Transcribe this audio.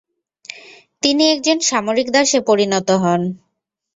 তিনি একজন সামরিক দাসে পরিণত হন।